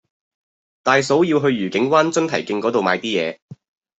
大嫂要去愉景灣津堤徑嗰度買啲嘢